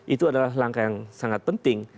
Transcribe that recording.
itu adalah langkah yang sangat penting